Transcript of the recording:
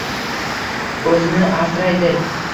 O’zini asray deb